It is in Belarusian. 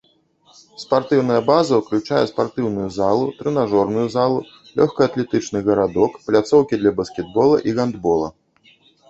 Спартыўная база ўключае спартыўную залу, трэнажорную залу, лёгкаатлетычны гарадок, пляцоўкі для баскетбола і гандбола.